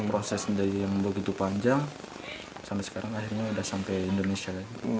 proses yang begitu panjang sampai sekarang akhirnya sudah sampai indonesia